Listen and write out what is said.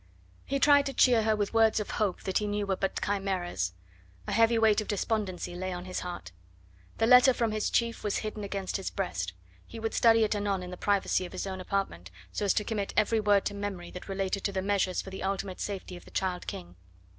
He tried to cheer her with words of hope that he knew were but chimeras. A heavy weight of despondency lay on his heart. The letter from his chief was hidden against his breast; he would study it anon in the privacy of his own apartment so as to commit every word to memory that related to the measures for the ultimate safety of the child King.